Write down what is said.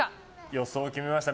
予想、決めました。